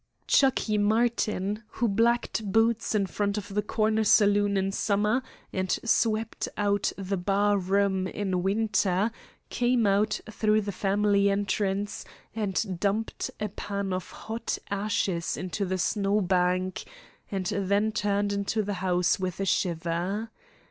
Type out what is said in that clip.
"Chuckey" Martin, who blacked boots in front of the corner saloon in summer and swept out the bar room in winter, came out through the family entrance and dumped a pan of hot ashes into the snow bank, and then turned into the house with a shiver.